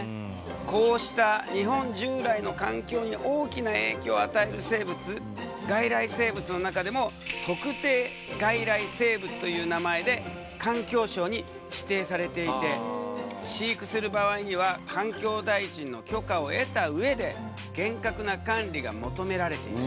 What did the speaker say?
こうした日本従来の環境に大きな影響を与える生物外来生物の中でも特定外来生物という名前で環境省に指定されていて飼育する場合には環境大臣の許可を得た上で厳格な管理が求められている。